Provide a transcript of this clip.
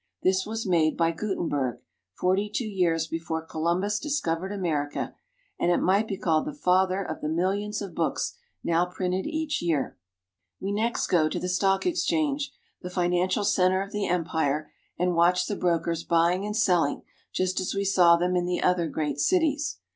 This was made by Gutenberg, forty two years before Columbus dis covered America ; and it might be called the father of the millions of books now printed each year. 220 GERMANY. We next go to the stock exchange, the financial center of the empire, and watch the brokers buying and selling just as we saw them in the other great cities.